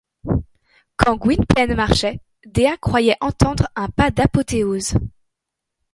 Quand Gwynplaine marchait, Dea croyait entendre un pas d’apothéose.